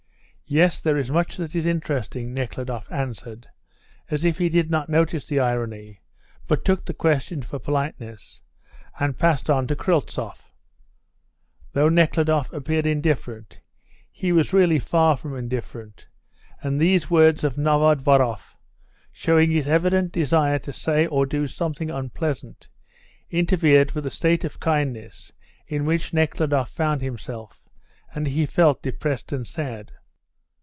"Yes, there is much that is interesting," Nekhludoff answered, as if he did not notice the irony, but took the question for politeness, and passed on to Kryltzoff. Though Nekhludoff appeared indifferent, he was really far from indifferent, and these words of Novodvoroff, showing his evident desire to say or do something unpleasant, interfered with the state of kindness in which Nekhludoff found himself, and he felt depressed and sad.